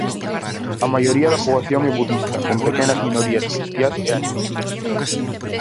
A maioría da poboación é budista, con pequenas minorías cristiás e animistas.